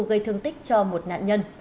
gây thương tích cho một nạn nhân